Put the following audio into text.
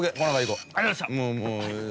こうありがとうございました